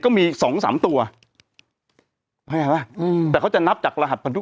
ก็มีสองสามตัวเข้าใจป่ะอืมแต่เขาจะนับจากรหัสพันธุ